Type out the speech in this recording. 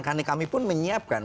dan kami pun menyiapkan